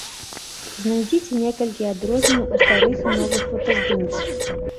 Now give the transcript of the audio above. Знайдзіце некалькі адрозненняў у старых і новых фотаздымках.